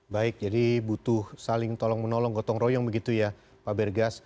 baik jadi butuh saling tolong menolong gotong royong begitu ya pak bergas